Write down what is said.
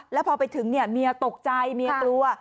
แล้วพอไปถึงเนี่ยเมียตกใจเมียกลัว